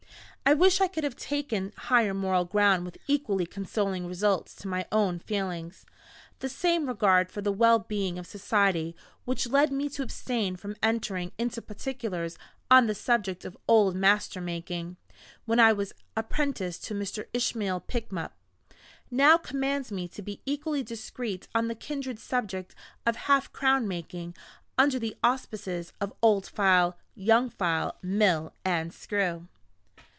I wish I could have taken higher moral ground with equally consoling results to my own feelings. The same regard for the well being of society which led me to abstain from entering into particulars on the subject of Old Master making, when I was apprenticed to Mr. Ishmael Pickup, now commands me to be equally discreet on the kindred subject of Half Crown making, under the auspices of Old File, Young File, Mill, and Screw.